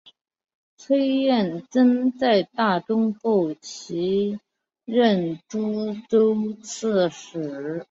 崔彦曾在大中后期任诸州刺史。